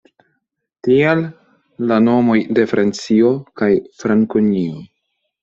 Tial, la nomoj de Francio kaj Frankonio.